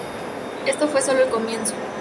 Esto fue sólo el comienzo.